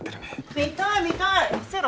見たい見たい見せろ